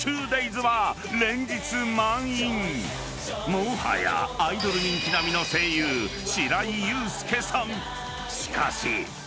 ［もはやアイドル人気並みの声優白井悠介さん］